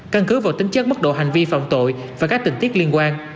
căn cứ vào tính chất mức độ hành vi phạm tội và các tình tiết liên quan